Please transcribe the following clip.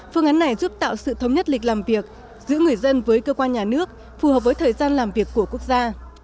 phương án này giúp tạo sự thống nhất lịch làm việc giữa người dân với cơ quan nhà nước phù hợp với thời gian làm việc của quốc gia